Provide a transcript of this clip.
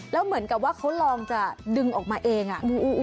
แล้วเหมือนกับว่าเขาลองจะดึงออกมาเอง